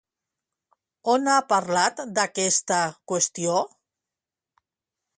On ha parlat d'aquesta qüestió?